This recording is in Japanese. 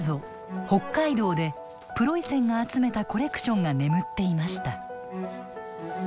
北海道でプロイセンが集めたコレクションが眠っていました。